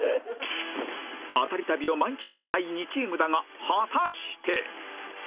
アタリ旅を満喫したい２チームだが果たして